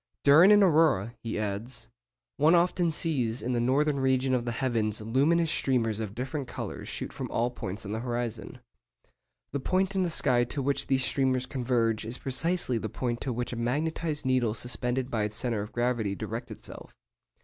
'During an aurora,' he adds, 'one often sees in the northern region of the heavens luminous streamers of different colours shoot from all points of the horizon. The point in the sky to which these streamers converge is precisely the point to which a magnetised needle suspended by its centre of gravity directs itself....